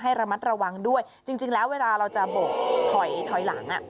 ให้ระมัดระวังด้วยจริงแล้วเวลาเราจะโบกถอยหลัง